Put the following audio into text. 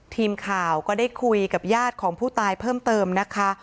ทีมข่าวก็ได้คุยกับญาติของผู้ตายเพิ่มเติมนะคะ